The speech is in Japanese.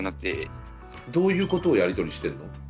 どういうことをやりとりしてんの？